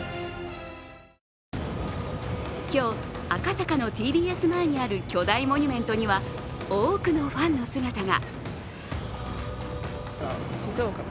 今日、赤坂のＴＢＳ前にある巨大モニュメントには多くのファンの姿が。